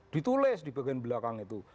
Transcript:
ditulis di bagian belakang itu